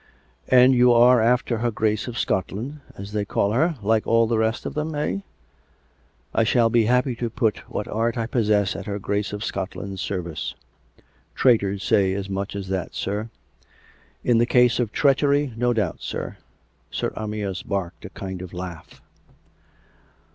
" And you are after her Grace of Scotland, as they call her, like all the rest of them, eh.'' "" I shall be happy to put what art I possess at her Grace of Scotland's service." COME RACK! COME ROPE! 305 " Traitors say as much as that, sir." " In the cause of treachery, no doubt, sir." Sir Amyas barked a kind of laugh.